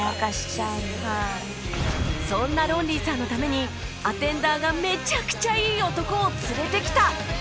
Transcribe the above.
そんなロンリーさんのためにアテンダーがめちゃくちゃいい男を連れてきた